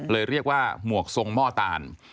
เรียกว่าหมวกทรงหม้อตาล